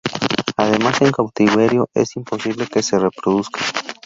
Además en cautiverio es imposible que se reproduzca.